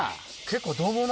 結構。